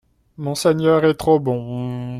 Monseigneur est trop bon